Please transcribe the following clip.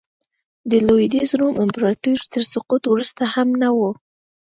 د لوېدیځ روم امپراتورۍ تر سقوط وروسته هم نه و